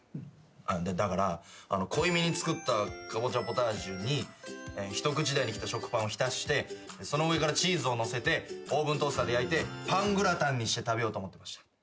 だから濃いめに作ったカボチャポタージュに一口大に切った食パンを浸してその上からチーズをのせてオーブントースターで焼いてパングラタンにして食べようと思ってました。